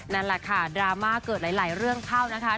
นั่นแหละค่ะดราม่าเกิดหลายเรื่องเข้านะคะ